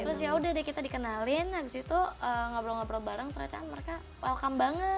terus yaudah deh kita dikenalin abis itu ngobrol ngobrol bareng ternyata mereka welcome banget